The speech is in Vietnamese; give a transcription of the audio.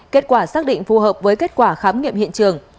kết quả xác định phù hợp với kết quả khám nghiệm hiện trường